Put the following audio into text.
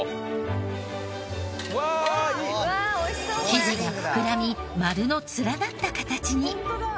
生地が膨らみ丸の連なった形に。